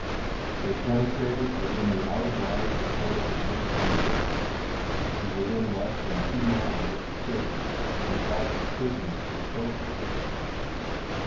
"They penetrated within the outer lines of fortification at Richmond, to within less than two miles of the city, and captured prisoners and trophies there.